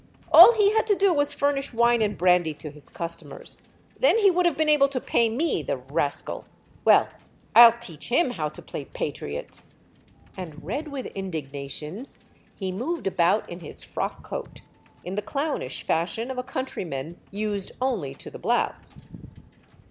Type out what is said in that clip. All he had to do was to furnish wine and brandy to his customers. Then he would have been able to pay me, the rascal ! Well ! I '11 teach him how to play patriot !" And red with indignation, he moved about in his frock coat, in the clownish fashion of a country man used only to the blouse.